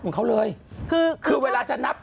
มั้ยก็ไม่ได้คนนับของเขาเลย